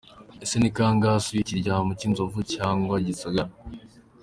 Ese ni kangahe asuye ikiryamo cy’inzovu cyangwa Gisagara?